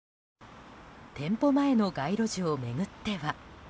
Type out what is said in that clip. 店舗前の街路樹を巡っては。